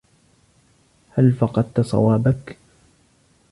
هل فقدت صوابَك؟